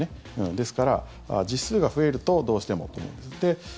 ですから、実数が増えるとどうしてもというのが。